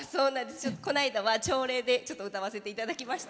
この間は朝礼でちょっと歌わせていただきました。